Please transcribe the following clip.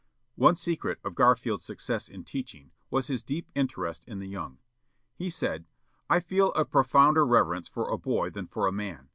One secret of Garfield's success in teaching was his deep interest in the young. He said, "I feel a profounder reverence for a boy than for a man.